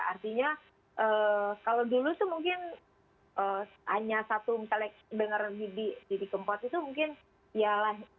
artinya kalau dulu tuh mungkin hanya satu misalnya dengar didi kempot itu mungkin ya lah